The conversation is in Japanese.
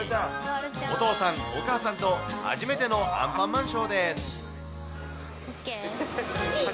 お父さん、お母さんと、初めてのアンパンマンショーです。ＯＫ？